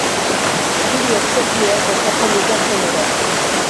Hiru espezieek osatzen dute generoa.